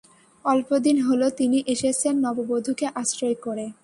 অল্পদিন হল তিনি এসেছেন নববধূকে আশ্রয় করে।